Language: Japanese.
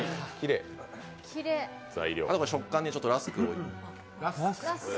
食感にラスクを。